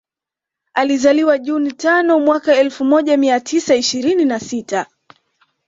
Alizaliwa June tano mwaka elfu moja mia tisa ishirini na sita